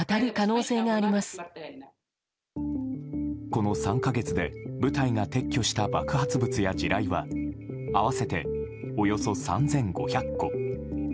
この３か月で部隊が撤去した爆発物や地雷は合わせておよそ３５００個。